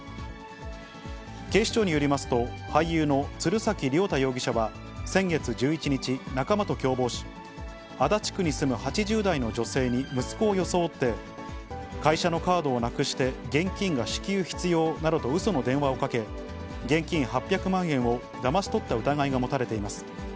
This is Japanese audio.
警視庁によりますと、俳優の鶴崎綾太容疑者は、先月１１日、仲間と共謀し、足立区に住む８０代の女性に、息子を装って、会社のカードをなくして現金が至急必要などと、うその電話をかけ、現金８００万円をだまし取った疑いが持たれています。